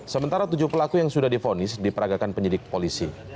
sementara tujuh pelaku yang sudah difonis diperagakan penyidik polisi